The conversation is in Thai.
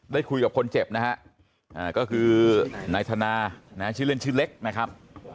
ได้คุยกับคนเจ็บนะฮะก็คือนายธนาชื่อเล่นชื่อเล็กนะครับ